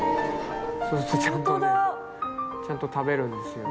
そうするとちゃんとねちゃんと食べるんですよ。